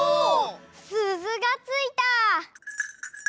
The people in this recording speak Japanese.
すずがついた！